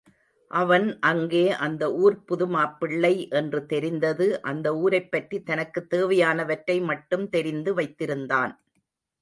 அவன் அங்கே அந்த ஊர்ப் புதுமாப்பிள்ளை என்று தெரிந்தது அந்த ஊரைப்பற்றித் தனக்குத் தேவையானவற்றை மட்டும் தெரிந்து வைத்திருந்தான்.